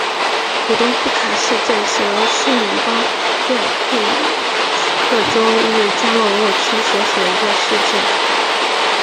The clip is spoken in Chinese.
鲁多夫卡市镇是俄罗斯联邦伊尔库茨克州日加洛沃区所属的一个市镇。